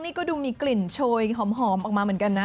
นี่ก็ดูมีกลิ่นโชยหอมออกมาเหมือนกันนะ